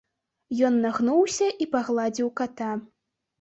Ён нагнуўся і пагладзіў ката.